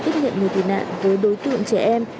tiếp nhận người tị nạn với đối tượng trẻ em